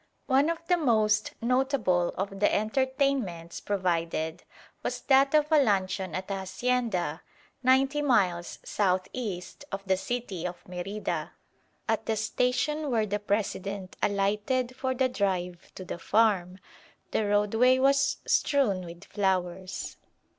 One of the most notable of the entertainments provided was that of a luncheon at a hacienda ninety miles south east of the city of Merida. At the station where the President alighted for the drive to the farm, the roadway was strewn with flowers.